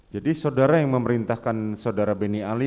jadi saudara yang memerintahkan saudara beni ali